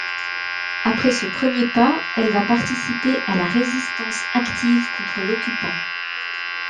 Après ce premier pas, elle va participer à la résistance active contre l'occupant.